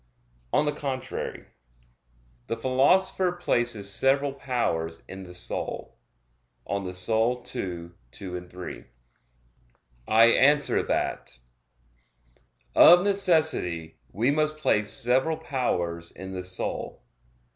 On the contrary, The Philosopher places several powers in the soul (De Anima ii, 2,3). I answer that, Of necessity we must place several powers in the soul.